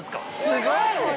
すごい！